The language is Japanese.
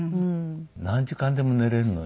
何時間でも寝れるのよ。